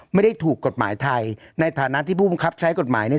ไม่ได้ถูกกฎหมายไทยในฐานะที่ผู้บังคับใช้กฎหมายเนี่ย